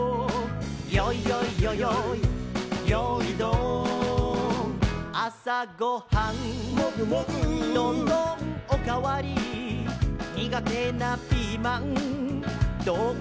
「よいよいよよいよーいドン」「朝ごはん」「どんどんお代わり」「苦手なピーマンどんと来い」